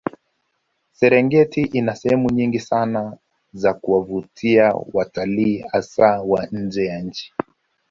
Serengeti ina sehemu nyingi sana za kuwavutia watalii hasa wa nje ya nchi